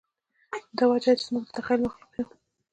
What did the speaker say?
همدا وجه ده، چې موږ د تخیل مخلوق یو.